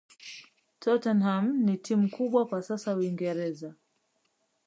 tottenham ni timu kubwa kwa sasa uingereza